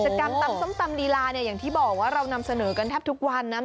กรรมตำส้มตำลีลาเนี่ยอย่างที่บอกว่าเรานำเสนอกันแทบทุกวันนะ